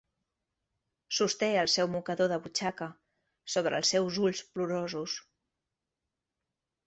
Sosté el seu mocador de butxaca sobre els seus ulls plorosos.